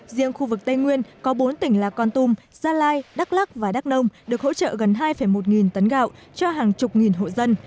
riêng khu vực tây nguyên có bốn tỉnh là con tum gia lai đắk lắc và đắk nông được hỗ trợ gần hai một nghìn tấn gạo cho hàng chục nghìn hộ dân